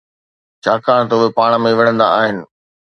ڇاڪاڻ ته اهي پاڻ ۾ وڙهندا آهن